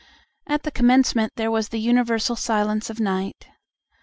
At the commencement there was the universal silence of night.